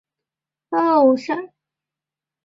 所有其他族群的年轻组别所占的百分比则比较大。